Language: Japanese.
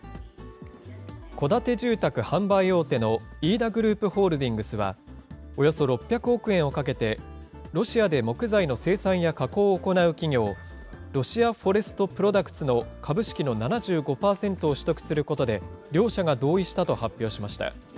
戸建て住宅販売大手の飯田グループホールディングスは、およそ６００億円をかけて、ロシアで木材の生産や加工を行う企業、ロシアフォレストプロダクツの株式の７５％を取得することで、両社が同意したと発表しました。